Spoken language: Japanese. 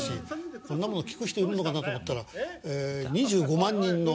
こんなもの聴く人いるのかなと思ったら２５万人の。